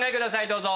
どうぞ。